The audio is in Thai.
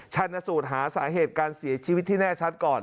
ชันสูตรหาสาเหตุการเสียชีวิตที่แน่ชัดก่อน